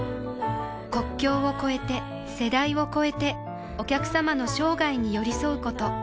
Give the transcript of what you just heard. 国境を超えて世代を超えてお客様の生涯に寄り添うこと